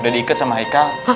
udah diikut sama haikal